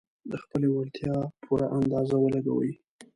د خپلې وړتيا پوره اندازه ولګوي.